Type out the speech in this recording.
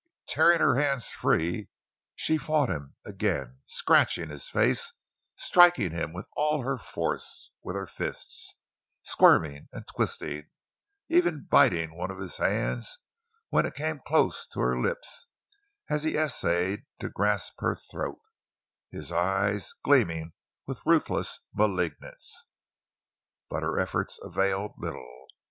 Tearing her hands free, she fought him again, scratching his face, striking him with all her force with her fists; squirming and twisting, even biting one of his hands when it came close to her lips as he essayed to grasp her throat, his eyes gleaming with ruthless malignance. But her efforts availed little.